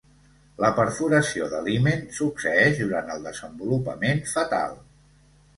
La perforació de l'himen succeeix durant el desenvolupament fetal.